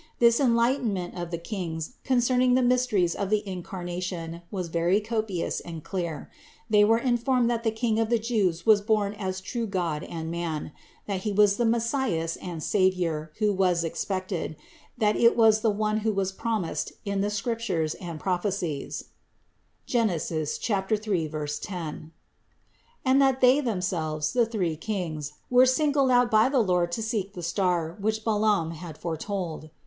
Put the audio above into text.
This en lightenment of the Kings concerning the mysteries of the Incarnation was very copious and clear. They were in formed that the King of the Jews was born as true God and man ; that He was the Messias and Savior who was expected ; that it was the One who was promised in the Scriptures and prophecies (Gen. 3, 10) ; and that they THE INCARNATION 469 themselves, the three Kings, were singled out by the Lord to seek the star, which Balaam had foretold.